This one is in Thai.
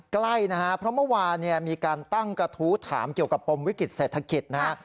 ใกล้นะฮะเพราะเมื่อวานเนี่ยมีการตั้งกระทู้ถามเกี่ยวกับปมวิกฤตเศรษฐกิจนะฮะ